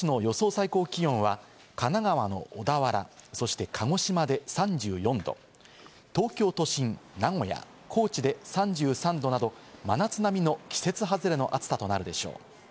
最高気温は神奈川の小田原、そして鹿児島で３４度、東京都心、名古屋、高知で３３度など、真夏並みの季節外れの暑さとなるでしょう。